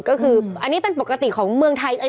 ก็คืออันนี้เป็นปกติของเมืองไทย